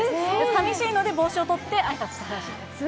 さみしいので帽子を取って、あいさつしたらしいです。